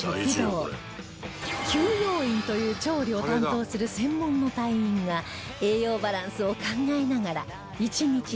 給養員という調理を担当する専門の隊員が栄養バランスを考えながら１日３食